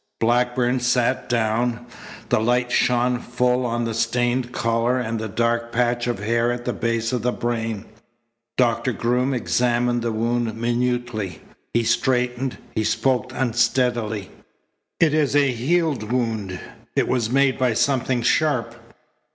Blackburn sat down. The light shone full on the stained collar and the dark patch of hair at the base of the brain. Doctor Groom examined the wound minutely. He straightened. He spoke unsteadily: "It is a healed wound. It was made by something sharp."